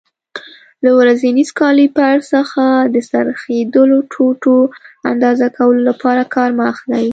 له ورنیز کالیپر څخه د څرخېدلو ټوټو اندازه کولو لپاره کار مه اخلئ.